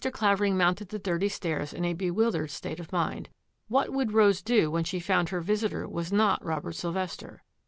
Clavering mounted the dirty stairs in a be wildered state of mind. What would Rose do when she found her visitor was not Robert Sylvester?